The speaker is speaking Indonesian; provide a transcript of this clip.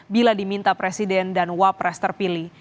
bila diminta presiden dan wapres terpilih